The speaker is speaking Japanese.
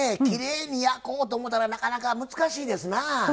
きれいに焼こうと思ったらなかなか難しいですなぁ。